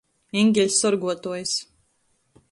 Eņgeļs sorguotuojs.